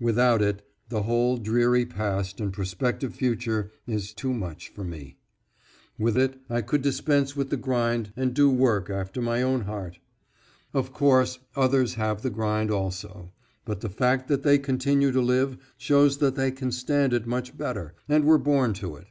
Without it, the whole dreary past and prospective future is too much for me. With it I could dispense with the grind and do work after my own heart. Of course, others have the grind, also; but the fact that they continue to live shows that they can stand it much better, and were born to it.